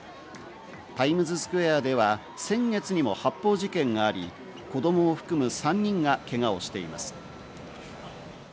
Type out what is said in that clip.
タイムズスクエアでは先月にも発砲事件があり、子どもを含む３人がけがをしています。